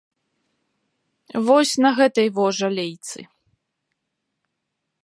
Вось на гэтай во жалейцы.